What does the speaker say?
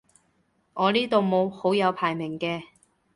我呢度冇好友排名嘅